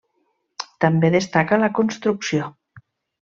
També destaca la construcció.